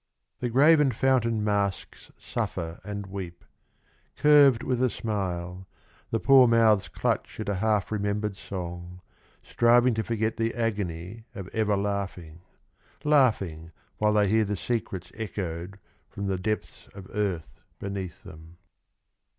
— The graven fountain masks suffer and weep — Curved with a smile, the poor mouths Clutch at a half remembered song Striving to forget the agony of ever laughing, — Laughing while they hear the secrets Echoed from the depths of Earth beneath them.